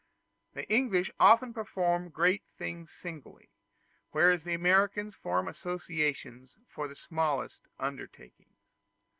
The English often perform great things singly; whereas the Americans form associations for the smallest undertakings.